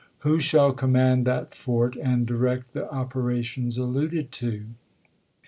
Who shall com mand that fort and direct the operations alluded to?"